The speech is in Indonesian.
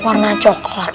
warnanya kayak gitu